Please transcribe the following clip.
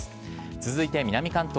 続いて南関東。